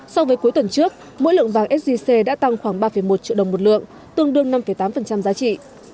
so với cuối tuần trước mỗi lượng vàng sgc đã tăng khoảng ba một triệu đồng một lượng tương đương năm tám giá trị